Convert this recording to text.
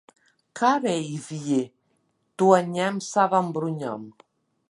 Kareivji to ņem savām bruņām.